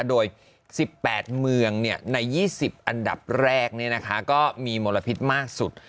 โดย๑๘เมืองเนี่ยใน๒๐อันดับแรกเนี่ยนะคะก็มีมลพิษมากสุด